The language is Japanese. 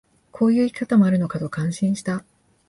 こういう生き方もあるのかと感心した